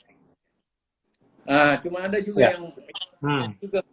nah cuma ada juga yang spesial